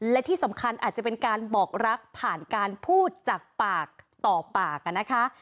และที่สำคัญอาจจะเป็นการบอกรักผ่านการพูดจากปากต่อปากนะคะ